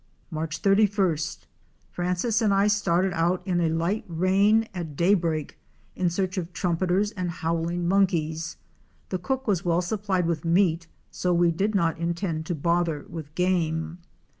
Marcu 31st.— Francis and I started out in a light rain at daybreak in search of Trumpeters and howling monkeys. The cook was well supplied with meat so we did not intend to bother with game.